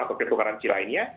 atau ke currency lainnya